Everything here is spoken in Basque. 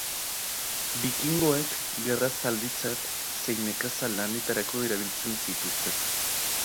Bikingoek gerra zalditzat zein nekazal lanetarako erabiltzen zituzten.